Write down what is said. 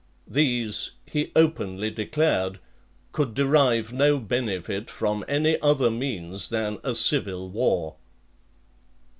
These, he openly declared, could derive no benefit from any other means than a civil war.